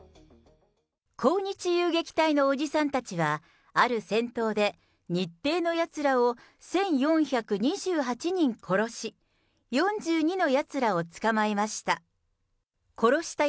抗日遊撃隊のおじさんたちは、ある戦闘で日帝のやつらを１４２８人殺し、４２のやつらを捕まえました。